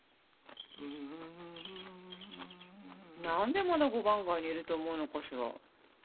何でまだ五番街にいると思うのかしら。